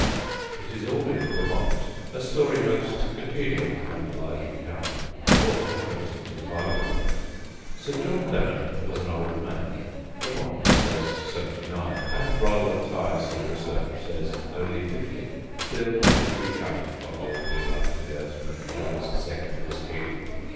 It is all in Grammont, a story most con genial to that lively Count, or to Hamilton his biographer. Sir John Denham was an old man. Grammont says seventy nine, and rather tiresome research says only fifty; still, fifty counted for old in love affairs when Charles the Second was king.